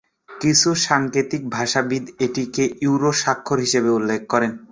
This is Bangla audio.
কিছু সাংকেতিক ভাষাবিদ এটিকে ইউরো স্বাক্ষর হিসাবে উল্লেখ করেন।